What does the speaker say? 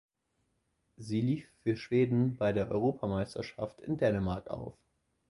Sie lief für Schweden bei der Europameisterschaft in Dänemark auf.